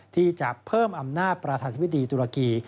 ที่จะเพิ่มอำนาจประธานธิบดีตุรกี